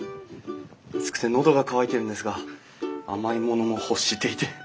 暑くて喉が渇いてるんですが甘いものも欲していて。